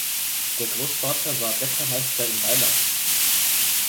Der Großvater war Bäckermeister in Weiler.